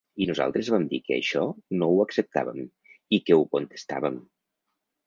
I nosaltres vam dir que això no ho acceptàvem i que ho contestàvem.